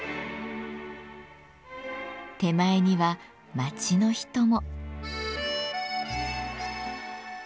手前には街の人も。